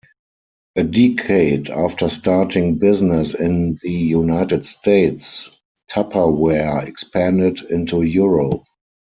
A decade after starting business in the United States, Tupperware expanded into Europe.